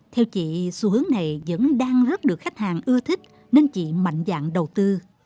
theo chị xu hướng này vẫn đang rất được khách hàng ưa thích nên chị mạnh dạng đầu tư